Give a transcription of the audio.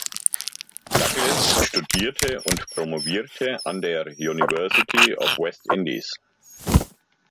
Douglas studierte und promovierte an der University of the West Indies.